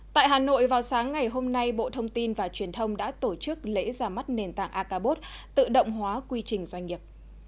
tại hà nội vào sáng ngày hôm nay bộ thông tin và truyền thông đã tổ chức lễ ra mắt nền tảng acabot tự động hóa quy trình doanh nghiệp